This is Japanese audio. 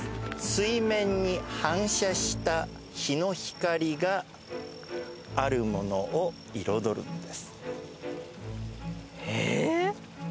水面に反射した日の光があるものを彩るんです。え！？